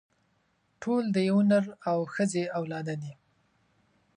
ټول د يوه نر او ښځې اولاده دي.